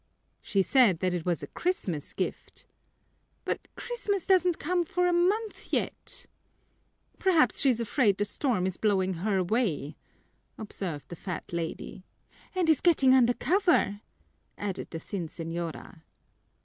"She said that it was a Christmas gift " "But Christmas doesn't come for a month yet!" "Perhaps she's afraid the storm is blowing her way," observed the fat lady. "And is getting under cover," added the thin señora.